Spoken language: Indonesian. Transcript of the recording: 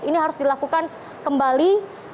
ini harus dilakukan kembali